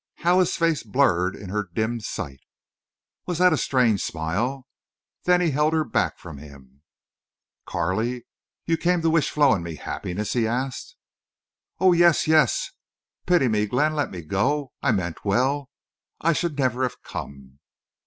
How his face blurred in her dimmed sight! Was that a strange smile? Then he held her back from him. "Carley—you came to wish Flo and me happiness?" he asked. "Oh, yes—yes.... Pity me, Glenn—let me go. I meant well.... I should—never have come."